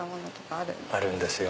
あるんですよ。